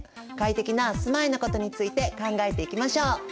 快適な住まいのことについて考えていきましょう！